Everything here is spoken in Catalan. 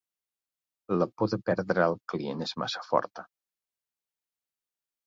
La por de perdre el client és massa forta.